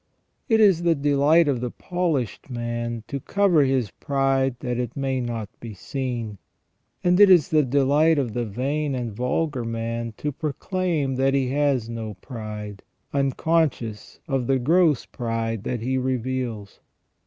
It is the delight of the polished man to cover his pride that it may not be seen. And it is the delight of the vain and vulgar man to proclaim that he has no pride, unconscious of the gross pride that he reveals.